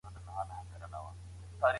ګړندي ګامونه واخلئ.